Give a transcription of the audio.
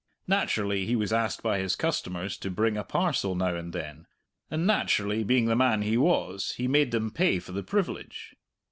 Naturally, he was asked by his customers to bring a parcel now and then, and naturally, being the man he was, he made them pay for the privilege.